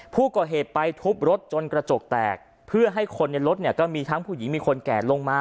ผู้ก่อเหตุไปทุบรถจนกระจกแตกเพื่อให้คนในรถเนี่ยก็มีทั้งผู้หญิงมีคนแก่ลงมา